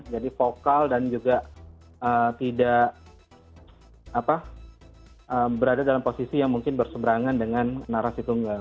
jadi vokal dan juga tidak berada dalam posisi yang mungkin berseberangan dengan narasi tunggal